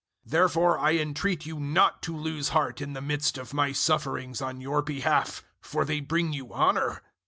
003:013 Therefore I entreat you not to lose heart in the midst of my sufferings on your behalf, for they bring you honour.